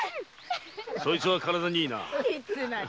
そいつは体にいいな。